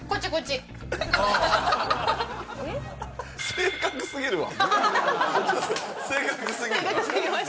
正確すぎるわ。